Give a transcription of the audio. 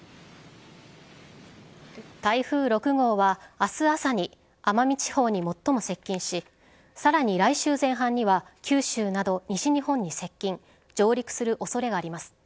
台風６号は明日朝に奄美地方に最も接近しさらに、来週前半には九州など西日本に接近上陸する恐れがあります。